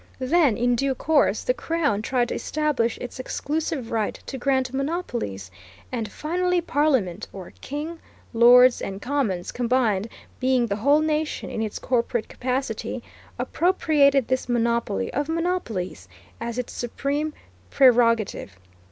Then, in due course, the Crown tried to establish its exclusive right to grant monopolies, and finally Parliament or King, Lords, and Commons combined, being the whole nation in its corporate capacity, appropriated this monopoly of monopolies as its supreme prerogative.